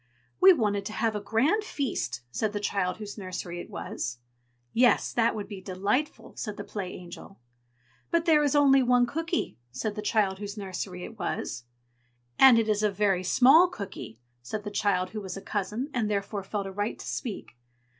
"We wanted to have a grand feast!" said the child whose nursery it was. "Yes, that would be delightful!" said the Play Angel. "But there is only one cooky!" said the child whose nursery it was. "And it is a very small cooky!" said the child who was a cousin, and therefore felt a right to speak.